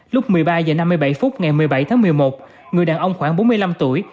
lúc một mươi ba h năm mươi bảy phút ngày một mươi bảy tháng một mươi một người đàn ông khoảng bốn mươi năm tuổi